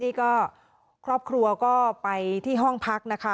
นี่ก็ครอบครัวก็ไปที่ห้องพักนะคะ